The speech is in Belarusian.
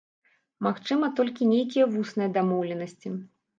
Магчыма, толькі нейкія вусныя дамоўленасці.